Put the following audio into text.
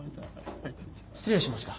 失礼しました。